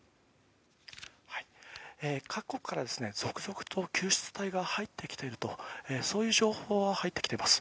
各国から続々と救出隊が入ってきているとそういう情報は入ってきています。